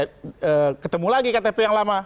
kemudian saya ketemu lagi ektp yang lama